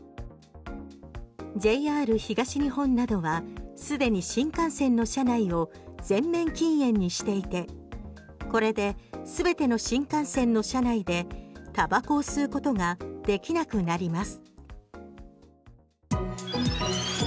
ＪＲ東日本などは既に新幹線の車内を全面禁煙にしていてこれで全ての新幹線の車内でタバコ吸うことができなくなります。